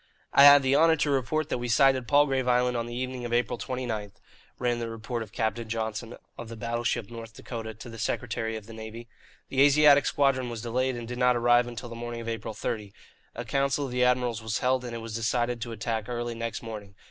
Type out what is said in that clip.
"I have the honour to report that we sighted Palgrave Island on the evening of April 29," ran the report of Captain Johnson, of the battleship North Dakota, to the Secretary of the Navy. "The Asiatic Squadron was delayed and did not arrive until the morning of April 30. A council of the admirals was held, and it was decided to attack early next morning.